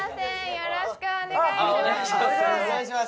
よろしくお願いします